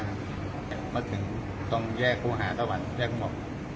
เมื่อถึงต้องแยกโครงหาตั้งแต่วันแยกหมด